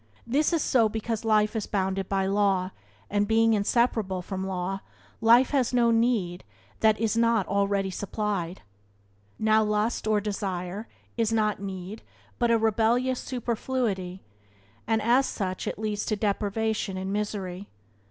This is so because life is bounded by law, and, being inseparable from law, life has no need that is not already supplied. Now lust, or desire, is not need, but a rebellious superfluity, and as such it leads to deprivation and misery.